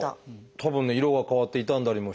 たぶんね色が変わって傷んだりもしてて。